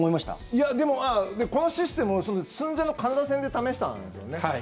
いや、でもこのシステム寸前のカナダ戦ではい、そうですね。